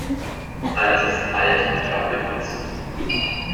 Alles ist alt und abgenutzt.